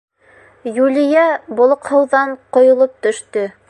Юлия болоҡһоуҙан ҡойолоп төштө.